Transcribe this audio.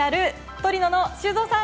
トリノの修造さん